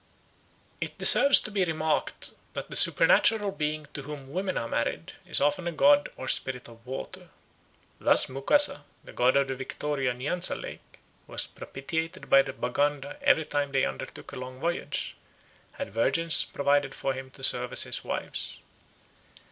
It deserves to be remarked that the supernatural being to whom women are married is often a god or spirit of water. Thus Mukasa, the god of the Victoria Nyanza lake, who was propitiated by the Baganda every time they undertook a long voyage, had virgins provided for him to serve as his wives.